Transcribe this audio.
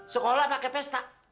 sekolah pake pesta